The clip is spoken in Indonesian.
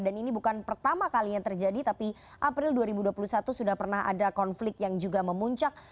dan ini bukan pertama kali yang terjadi tapi april dua ribu dua puluh satu sudah pernah ada konflik yang juga memuncak